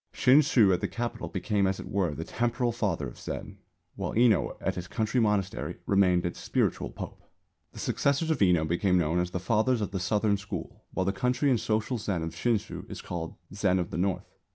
Shinshū at the Capital became as it were the Temporal Father of Zen, while Enō at his country monastery remained its spiritual pope. The successors of Enō became known as the Fathers of the Southern School; while the courtly and social Zen of Shinshū is called Zen of the North.